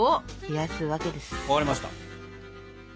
分かりました。